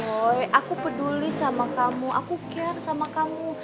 oh aku peduli sama kamu aku care sama kamu